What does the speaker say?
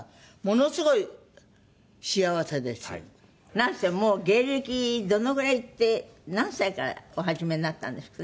なんせもう芸歴どのぐらいって何歳からお始めになったんですかね？